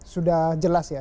sudah jelas ya